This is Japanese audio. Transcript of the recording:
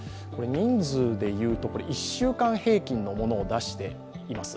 人数でいうと１週回平均のものを出しています。